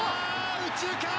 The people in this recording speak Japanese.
右中間！